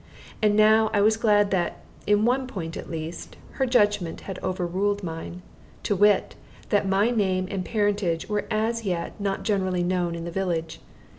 And now I was glad that, in one point at least, her judgment had overruled mine to wit, that my name and parentage were as yet not generally known in the village.